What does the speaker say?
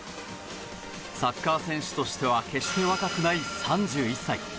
サッカー選手としては決して若くない３１歳。